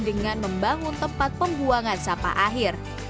dengan membangun tempat pembuangan sampah akhir